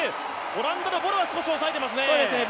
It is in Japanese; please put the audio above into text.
オランダのボルが少し抑えてますね。